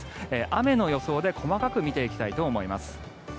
雨の予想で細かく見ていきたいと思います。